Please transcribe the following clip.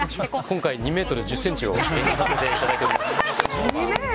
今回、２ｍ１０ｃｍやらさせていただいております。